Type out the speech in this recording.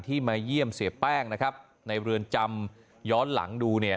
มาเยี่ยมเสียแป้งนะครับในเรือนจำย้อนหลังดูเนี่ย